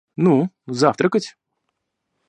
Ну, завтракать.